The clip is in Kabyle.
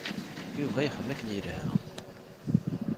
Yuba yexdem akken yelha.